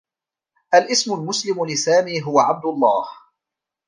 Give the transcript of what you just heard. الإسم المسلم لسامي هو عبد الله.